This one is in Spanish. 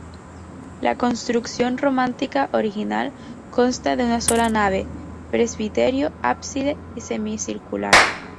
La construcción románica original consta de una sola nave, presbiterio y ábside semicircular.